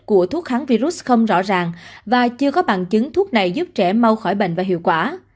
của thuốc kháng virus không rõ ràng và chưa có bằng chứng thuốc này giúp trẻ mau khỏi bệnh và hiệu quả